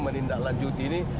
menindak lanjut ini